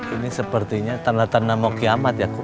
ini sepertinya tanda tanda mau kiamat ya